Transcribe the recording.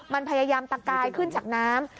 มันพยายามตะกายขึ้นจากน้ำ